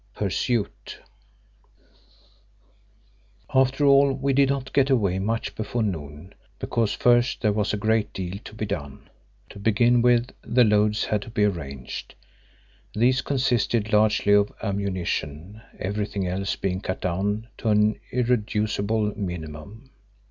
PURSUIT After all we did not get away much before noon, because first there was a great deal to be done. To begin with the loads had to be arranged. These consisted largely of ammunition, everything else being cut down to an irreducible minimum.